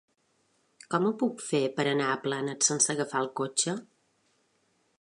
Com ho puc fer per anar a Planes sense agafar el cotxe?